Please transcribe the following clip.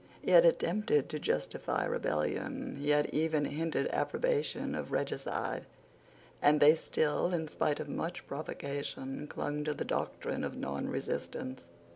He had attempted to justify rebellion; he had even hinted approbation of regicide; and they still, in spite of much provocation, clung to the doctrine of nonresistance.